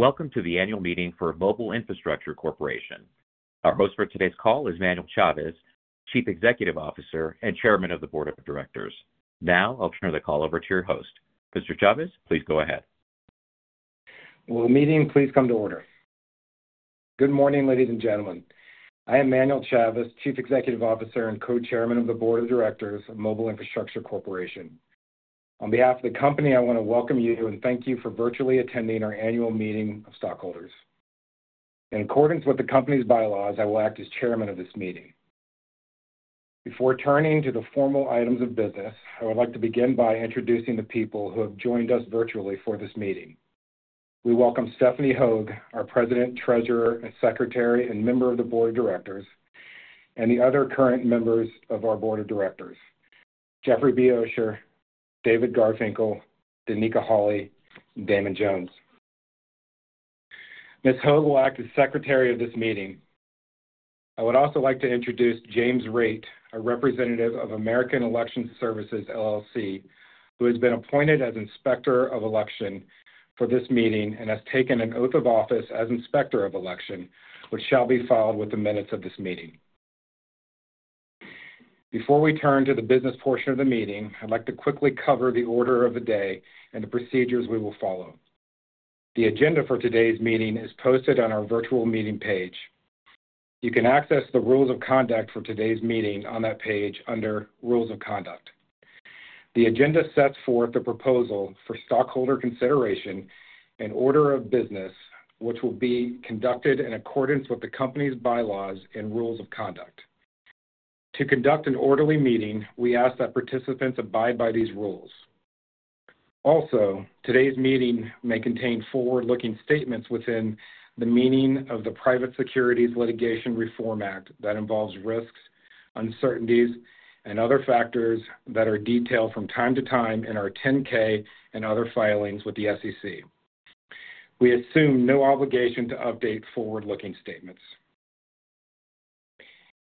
Welcome to the Annual Meeting for Mobile Infrastructure Corporation. Our host for today's call is Manuel Chavez, Chief Executive Officer and Chairman of the Board of Directors. Now I'll turn the call over to your host. Mr. Chavez, please go ahead. Meeting, please come to order. Good morning, ladies and gentlemen. I am Manuel Chavez, Chief Executive Officer and Co-Chairman of the Board of Directors of Mobile Infrastructure Corporation. On behalf of the company, I want to welcome you and thank you for virtually attending our annual meeting of stockholders. In accordance with the company's bylaws, I will act as chairman of this meeting. Before turning to the formal items of business, I would like to begin by introducing the people who have joined us virtually for this meeting. We welcome Stephanie Hogue, our President, Treasurer, Secretary, and Member of the Board of Directors, and the other current members of our Board of Directors: Jeffrey B. Oscher, David Garfinkel, Danica Holley, and Damon Jones. Ms. Hogue will act as secretary of this meeting. I would also like to introduce James Raitt, a representative of American Election Services LLC, who has been appointed as inspector of election for this meeting and has taken an oath of office as inspector of election, which shall be filed with the minutes of this meeting. Before we turn to the business portion of the meeting, I'd like to quickly cover the order of the day and the procedures we will follow. The agenda for today's meeting is posted on our virtual meeting page. You can access the rules of conduct for today's meeting on that page under Rules of Conduct. The agenda sets forth the proposal for stockholder consideration and order of business, which will be conducted in accordance with the company's bylaws and rules of conduct. To conduct an orderly meeting, we ask that participants abide by these rules. Also, today's meeting may contain forward-looking statements within the meaning of the Private Securities Litigation Reform Act that involve risks, uncertainties, and other factors that are detailed from time to time in our 10-K and other filings with the SEC. We assume no obligation to update forward-looking statements.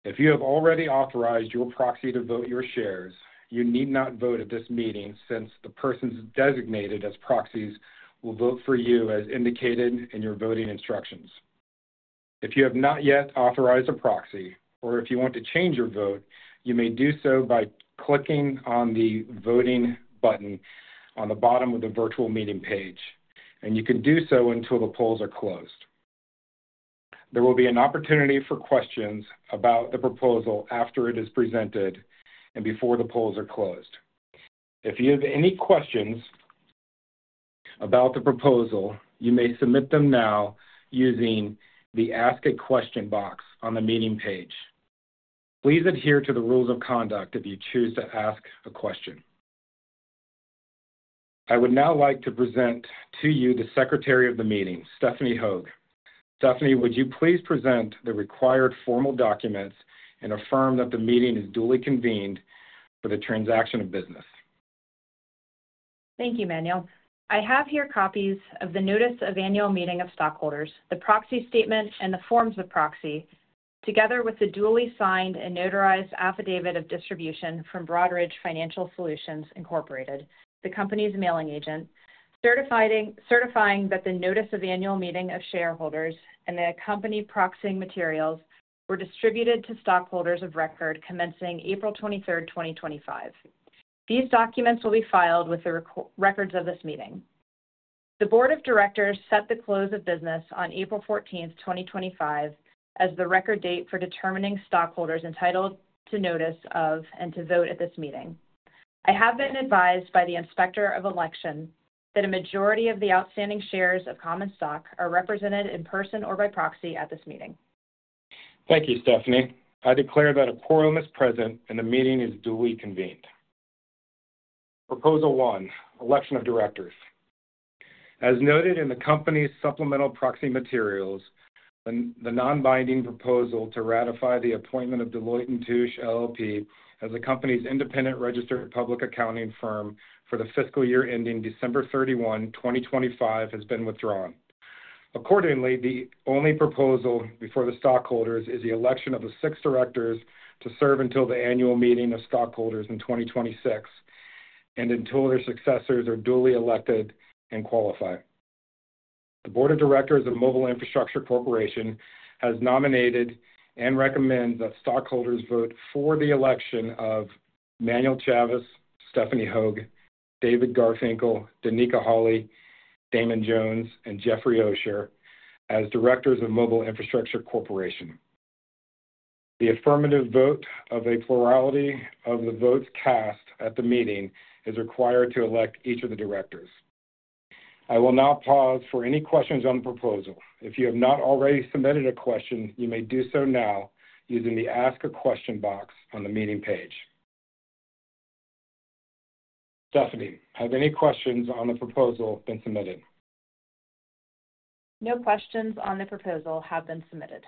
If you have already authorized your proxy to vote your shares, you need not vote at this meeting since the persons designated as proxies will vote for you as indicated in your voting instructions. If you have not yet authorized a proxy, or if you want to change your vote, you may do so by clicking on the voting button on the bottom of the virtual meeting page, and you can do so until the polls are closed. There will be an opportunity for questions about the proposal after it is presented and before the polls are closed. If you have any questions about the proposal, you may submit them now using the Ask a Question box on the meeting page. Please adhere to the rules of conduct if you choose to ask a question. I would now like to present to you the secretary of the meeting, Stephanie Hogue. Stephanie, would you please present the required formal documents and affirm that the meeting is duly convened for the transaction of business? Thank you, Manuel. I have here copies of the Notice of Annual Meeting of Stockholders, the Proxy Statement, and the Forms of Proxy, together with the duly signed and notarized Affidavit of Distribution from Broadridge Financial Solutions Incorporated, the company's mailing agent, certifying that the Notice of Annual Meeting of Shareholders and the company proxy materials were distributed to stockholders of record commencing April 23rd, 2025. These documents will be filed with the records of this meeting. The Board of Directors set the close of business on April 14th, 2025, as the record date for determining stockholders entitled to notice of and to vote at this meeting. I have been advised by the inspector of election that a majority of the outstanding shares of common stock are represented in person or by proxy at this meeting. Thank you, Stephanie. I declare that a quorum is present and the meeting is duly convened. Proposal One, Election of Directors. As noted in the company's supplemental proxy materials, the non-binding proposal to ratify the appointment of Deloitte & Touche LLP as the company's independent registered public accounting firm for the fiscal year ending December 31, 2025, has been withdrawn. Accordingly, the only proposal before the stockholders is the election of the six directors to serve until the annual meeting of stockholders in 2026 and until their successors are duly elected and qualify. The Board of Directors of Mobile Infrastructure Corporation has nominated and recommends that stockholders vote for the election of Manuel Chavez, Stephanie Hogue, David Garfinkel, Danica Holley, Damon Jones, and Jeffrey Oscher as Directors of Mobile Infrastructure Corporation. The affirmative vote of a plurality of the votes cast at the meeting is required to elect each of the directors. I will now pause for any questions on the proposal. If you have not already submitted a question, you may do so now using the Ask a Question box on the meeting page. Stephanie, have any questions on the proposal been submitted? No questions on the proposal have been submitted.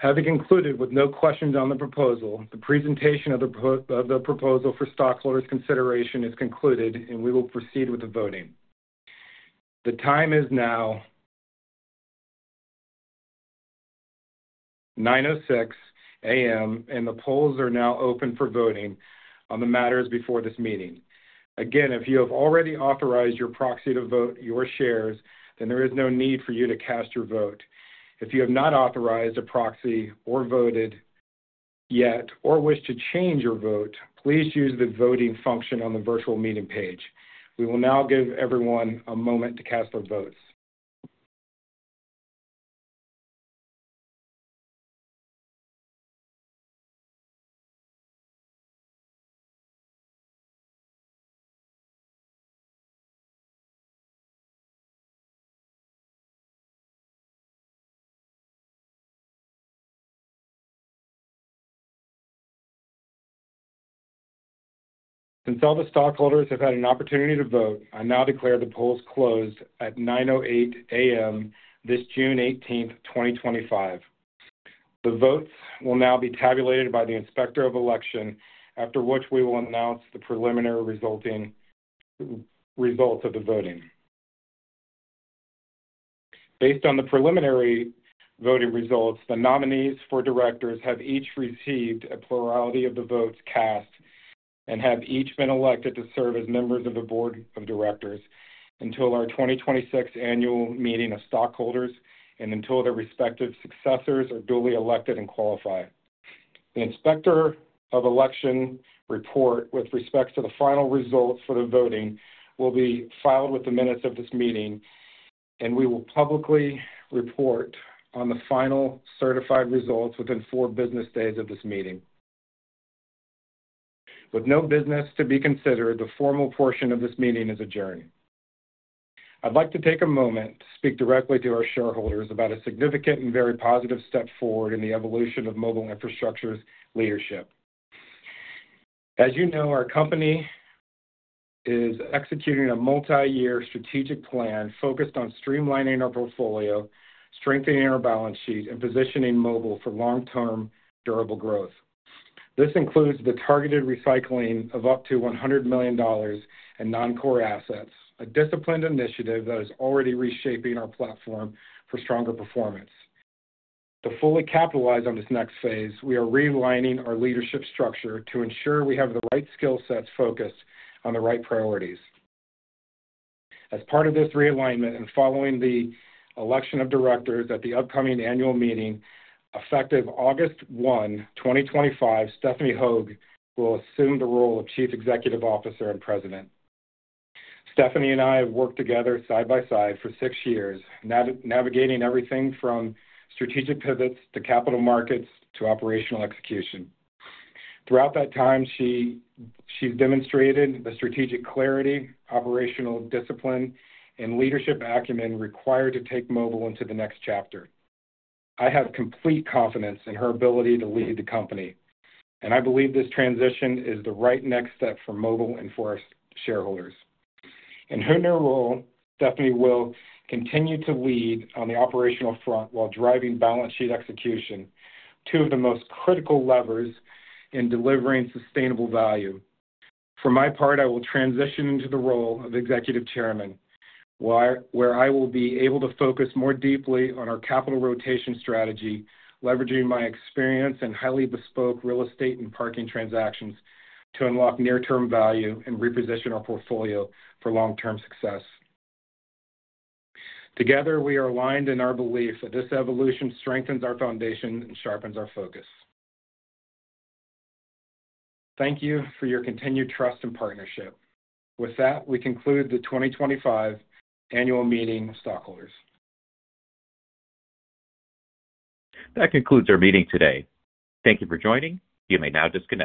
Having concluded with no questions on the proposal, the presentation of the proposal for stockholders' consideration is concluded, and we will proceed with the voting. The time is now 9:06 A.M., and the polls are now open for voting on the matters before this meeting. Again, if you have already authorized your proxy to vote your shares, then there is no need for you to cast your vote. If you have not authorized a proxy or voted yet or wish to change your vote, please use the voting function on the virtual meeting page. We will now give everyone a moment to cast their votes. Since all the stockholders have had an opportunity to vote, I now declare the polls closed at 9:08 A.M. this June 18th, 2025. The votes will now be tabulated by the inspector of election, after which we will announce the preliminary results of the voting. Based on the preliminary voting results, the nominees for directors have each received a plurality of the votes cast and have each been elected to serve as members of the Board of Directors until our 2026 annual meeting of stockholders and until their respective successors are duly elected and qualified. The inspector of election report with respect to the final results for the voting will be filed with the minutes of this meeting, and we will publicly report on the final certified results within four business days of this meeting. With no business to be considered, the formal portion of this meeting is adjourned. I'd like to take a moment to speak directly to our shareholders about a significant and very positive step forward in the evolution of Mobile Infrastructure's leadership. As you know, our company is executing a multi-year strategic plan focused on streamlining our portfolio, strengthening our balance sheet, and positioning Mobile for long-term durable growth. This includes the targeted recycling of up to $100 million in non-core assets, a disciplined initiative that is already reshaping our platform for stronger performance. To fully capitalize on this next phase, we are realigning our leadership structure to ensure we have the right skill sets focused on the right priorities. As part of this realignment and following the election of directors at the upcoming annual meeting effective August 1, 2025, Stephanie Hogue will assume the role of Chief Executive Officer and President. Stephanie and I have worked together side-by-side for six years, navigating everything from strategic pivots to capital markets to operational execution. Throughout that time, she's demonstrated the strategic clarity, operational discipline, and leadership acumen required to take Mobile into the next chapter. I have complete confidence in her ability to lead the company, and I believe this transition is the right next step for Mobile and for our shareholders. In her new role, Stephanie will continue to lead on the operational front while driving balance sheet execution, two of the most critical levers in delivering sustainable value. For my part, I will transition into the role of Executive Chairman, where I will be able to focus more deeply on our capital rotation strategy, leveraging my experience in highly bespoke real estate and parking transactions to unlock near-term value and reposition our portfolio for long-term success. Together, we are aligned in our belief that this evolution strengthens our foundation and sharpens our focus. Thank you for your continued trust and partnership. With that, we conclude the 2025 Annual Meeting of Stockholders. That concludes our meeting today. Thank you for joining. You may now disconnect.